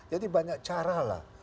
jadi banyak cara lah